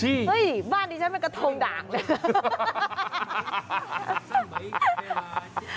เฮ้ยบ้านดิฉันเป็นกระทงด่างเลย